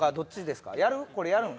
これやるの？